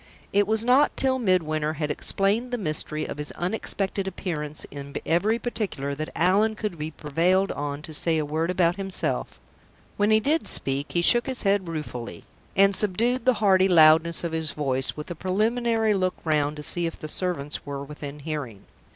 It was not till Midwinter had explained the mystery of his unexpected appearance in every particular that Allan could be prevailed on to say a word about himself. When he did speak, he shook his head ruefully, and subdued the hearty loudness of his voice, with a preliminary look round to see if the servants were within hearing.